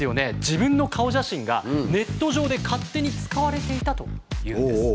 自分の顔写真がネット上で勝手に使われていたというんです。